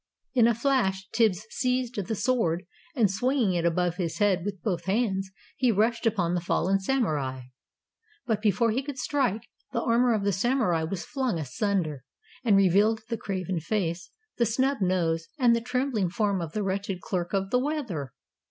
In a flash, Tibbs seized the sword, and, swinging it above his head with both hands, he rushed upon the fallen Samurai. But, before he could strike, the armour of the Samurai was flung asunder, and revealed the craven face, the snub nose, and the trembling form of the wretched Clerk of the Weather!